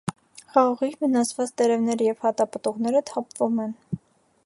Խաղողի վնասված տերևները և հատապտուղները թափվում են։